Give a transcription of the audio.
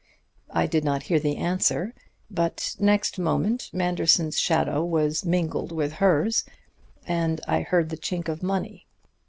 I did not hear the answer, but next moment Manderson's shadow was mingled with hers, and I heard the chink of money.